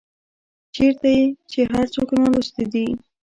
چيرته چي هر څوک نالوستي دي